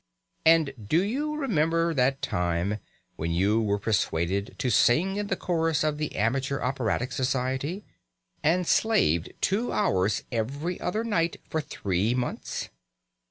And do you remember that time when you were persuaded to sing in the chorus of the amateur operatic society, and slaved two hours every other night for three months?